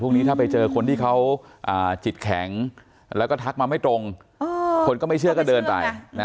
นี้ถ้าไปเจอคนที่เขาจิตแข็งแล้วก็ทักมาไม่ตรงคนก็ไม่เชื่อก็เดินไป